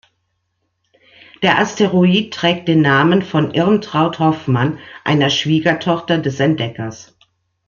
Der Asteroid trägt den Namen von "Irmtraud Hoffmann", einer Schwiegertochter des Entdeckers.